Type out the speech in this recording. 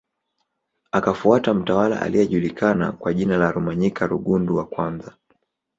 Akafuata mtawala aliyejulikana kwa jina la Rumanyika Rugundu wa kwamza